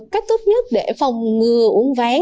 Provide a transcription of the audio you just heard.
cách tốt nhất để phòng ngừa uốn ván